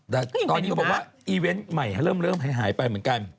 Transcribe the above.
แต่ตอนนี้ก็บอกว่าอีเวนต์ใหม่เริ่มหายไปเหมือนกัน